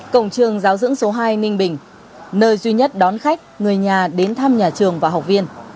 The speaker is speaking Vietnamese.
cổng trường giáo dưỡng số hai ninh bình nơi duy nhất đón khách người nhà đến thăm nhà trường và học viên